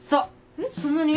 えっそんなに？